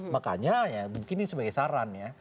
makanya ya mungkin ini sebagai saran ya